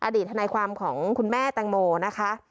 ทนายความของคุณแม่แตงโมนะคะ